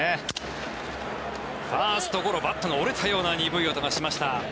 ファーストゴロバットが折れたような鈍い音がしました。